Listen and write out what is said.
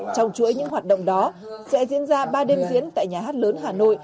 trong chuỗi những hoạt động đó sẽ diễn ra ba đêm diễn tại nhà hát lớn hà nội